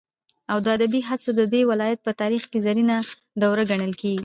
او د ادبي هڅو ددې ولايت په تاريخ كې زرينه دوره گڼل كېږي.